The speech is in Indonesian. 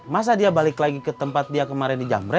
masa dia balik lagi ke tempat dia kemarin di jamre